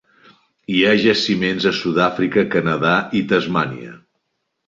Hi ha jaciments a Sud-àfrica, Canadà i Tasmània.